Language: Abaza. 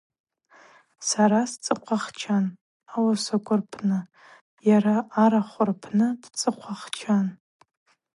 Сара сцӏыхъвахчан ауасаква рпны, йара арахв рпны дцӏыхъвахчан.